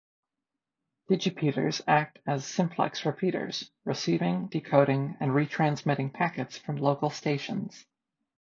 Digipeaters act as simplex repeaters, receiving, decoding and retransmitting packets from local stations.